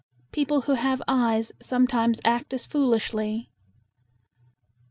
People who have eyes sometimes act as foolishly.